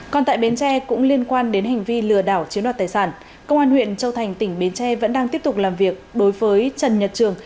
còn tại bến tre cũng liên quan đến hành vi lừa đảo chiếm đoạt tài sản công an huyện châu thành tỉnh bến tre vẫn đang tiếp tục làm việc đối với trần nhật trường